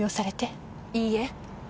いいえ。